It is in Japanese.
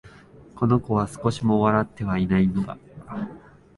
この子は、少しも笑ってはいないのだ